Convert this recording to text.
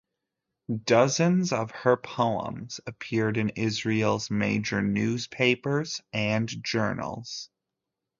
Dozens of her poems appeared in Israel's major newspapers and journals.